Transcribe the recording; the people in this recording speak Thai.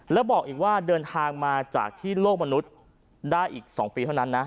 แล้วบอกอีกว่าเดินทางมาจากที่โลกมนุษย์ได้อีก๒ปีเท่านั้นนะ